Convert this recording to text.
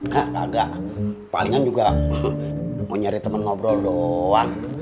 hah agak palingan juga mau nyari temen ngobrol doang